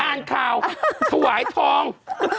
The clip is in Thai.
อ้านเคราะห์ถ้วยทอง